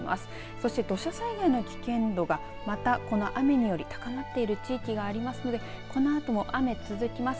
そして土砂災害の危険度がこの雨により高まっている地域がありますのでこのあとも雨続きます